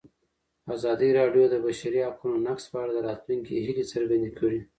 ازادي راډیو د د بشري حقونو نقض په اړه د راتلونکي هیلې څرګندې کړې.